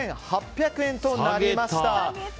５８００円となりました。